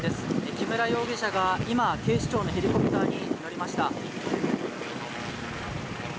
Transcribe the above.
木村容疑者が今、警視庁のヘリコプターに乗りました。